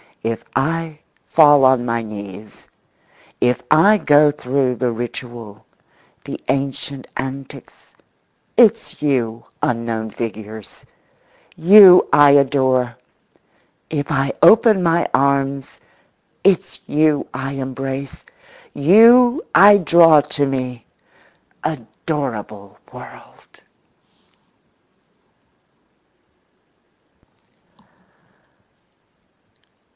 If I fall on my knees, if I go through the ritual, the ancient antics, it's you, unknown figures, you I adore; if I open my arms, it's you I embrace, you I draw to me—adorable world!